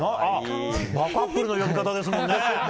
バカップルの呼び方ですもんね。